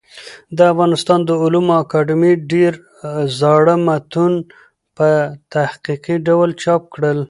د افغانستان د علومو اکاډمۍ ډېر زاړه متون په تحقيقي ډول چاپ کړل.